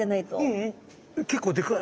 ううん結構でかい。